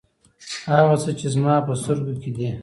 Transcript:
هغه څه چې زما په سترګو کې دي.